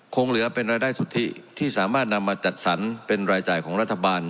คงเหลือเป็นรายได้สุทธิที่สามารถนำมาจัดสรรเป็นรายจ่ายของรัฐบาล